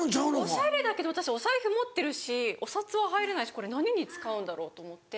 おしゃれだけど私お財布持ってるしお札は入らないしこれ何に使うんだろう？と思って。